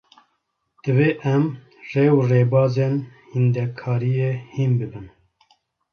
Divê em, rê û rêbazên hîndekariyê hîn bibin